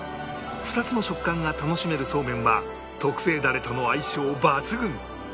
２つの食感が楽しめるそうめんは特製ダレとの相性抜群！